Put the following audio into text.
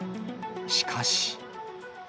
しかし。